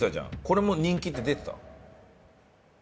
これも人気って出てた？